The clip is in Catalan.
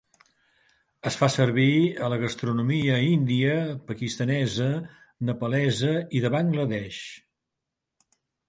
Es fa servir a la gastronomia índia, pakistanesa, nepalesa i de Bangladesh.